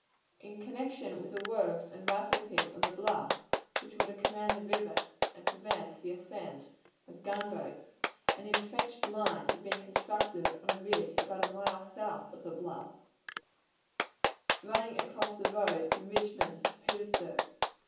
In connection with the works and rifle pits on the bluff, which were to command the river and prevent the ascent of gunboats, an intrenched line had been constructed on a ridge about a mile south of the bluff, running across the road from Richmond to Petersburg.